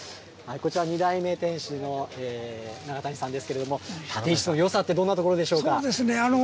こちら、２代目店主の長谷さんですけれども、立石のよさってどうでしょうか。